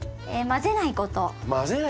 混ぜないこと。